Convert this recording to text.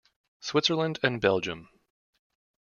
Switzerland and Belgium.